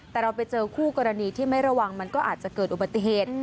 แต่เราไปเจอคู่กรณีที่ไม่ระวังมันก็อาจจะเกิดอุบัติเหตุ